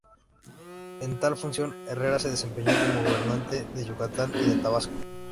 En tal función, Herrera se desempeñó como gobernante de Yucatán y de Tabasco.